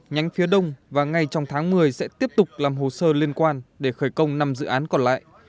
nhánh phía đông và ngay trong tháng một mươi sẽ tiếp tục làm hồ sơ liên quan để khởi công năm dự án còn lại